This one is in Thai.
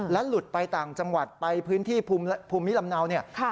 และหลุดไปต่างจังหวัดไปพื้นที่ภูมิลำเนา